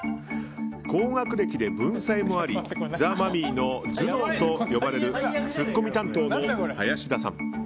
高学歴で文才もありザ・マミィの頭脳と呼ばれるツッコミ担当の林田さん。